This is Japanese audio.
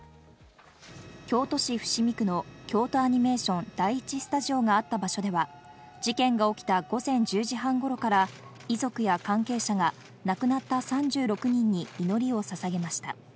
京都市伏見区の京都アニメーション第１スタジオがあった場所では、事件が起きた午前１０時半ごろから遺族や関係者が亡くなった３６人に祈りを捧げました。